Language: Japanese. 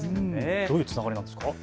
どういうつながりなんですか。